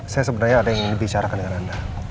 saya sebenarnya ada yang dibicarakan dengan anda